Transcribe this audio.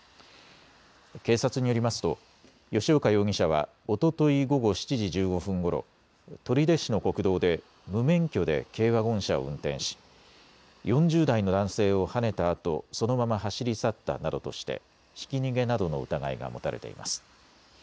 警察によりますと吉岡容疑者はおととい午後７時１５分ごろ、取手市の国道で無免許で軽ワゴン車を運転し４０代の男性をはねたあと、そのまま走り去ったなどとしてひき逃げなどの疑いが持たれています。